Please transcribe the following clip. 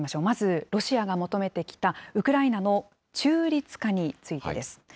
まず、ロシアが求めてきたウクライナの中立化についてです。